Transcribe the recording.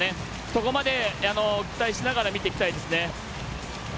そこまでお伝えしながら見ていきたいですね。